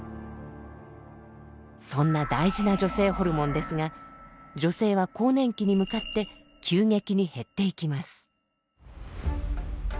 そんな大事な女性ホルモンですが女性は更年期に向かって急激に減っていきます。